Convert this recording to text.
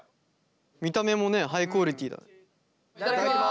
見た目もねハイクオリティーだ。